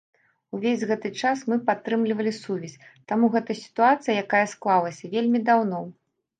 Увесь гэты час мы падтрымлівалі сувязь, таму гэта сітуацыя, якая склалася вельмі даўно.